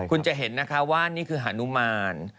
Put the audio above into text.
คุณจะเห็นนะคะว่านี่คือฮานุมาน